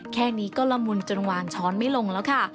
แค่นี้ก็ละมุนจนวานช้อนไม่ลงแล้วค่ะ